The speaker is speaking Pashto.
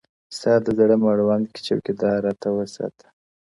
• ستا د زړه مړوند كي چــوكـــيـــــدار راته وســـــاتـــــه،